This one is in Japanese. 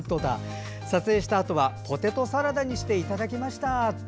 撮影したあとはポテトサラダにしていただきましたって。